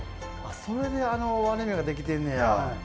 それであの割れ目が出来てんねや。